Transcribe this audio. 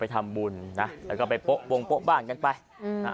ไปทำบุญนะแล้วก็ไปโป๊ะโป๊ะบ้านกันไปอืม